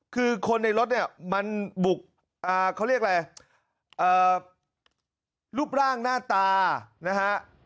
คือคนในรถเนี่ยมันบุกเขาเรียกอะไรรูปร่างหน้าตานะฮะ